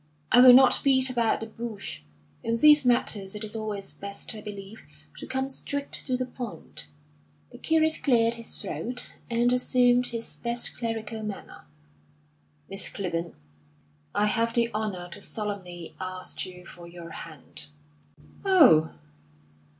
I will not beat about the bush. In these matters it is always best, I believe, to come straight to the point." The curate cleared his throat, and assumed his best clerical manner. "Miss Clibborn, I have the honour to solemnly ask you for your hand." "Oh!"